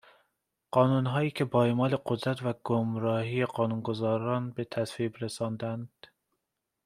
قانونهایی که با اعمال قدرت و گمراهی قانونگزاران به تصویب رساندهاند